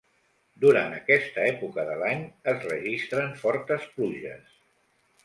Durant aquesta època de l'any es registren fortes pluges.